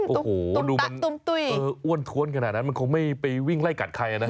โอ้โหดูมันอ้วนท้วนขนาดนั้นมันคงไม่ไปวิ่งไล่กัดใครนะ